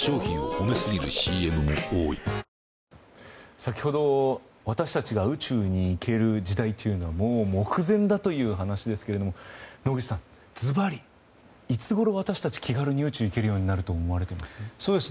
先ほど、私たちが宇宙に行ける時代というのはもう目前だという話ですけれども野口さん、ずばりいつごろ私たち気軽に宇宙に行けるようになると思われます？